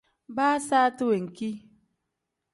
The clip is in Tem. Baa saati wenki.